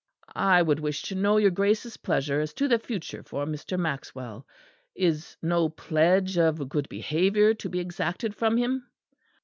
"I would wish to know your Grace's pleasure as to the future for Mr. Maxwell. Is no pledge of good behaviour to be exacted from him?"